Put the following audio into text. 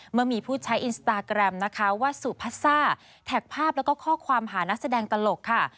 เมื่อมีผู้ใช้อินสตาแกรมนะคะว่าสุพัสซ่าแท็กภาพแล้วก็ข้อความหานักแสดงตลกค่ะ